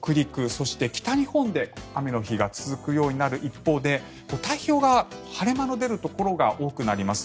そして、北日本で雨の日が続くようになる一方で太平洋側は晴れ間の出るところが多くなります。